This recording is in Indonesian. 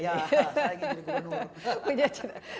dan bisa menjadi wakil gubernur jawa barat